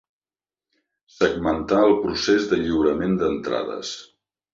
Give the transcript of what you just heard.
Segmentar el procés de lliurament d'entrades.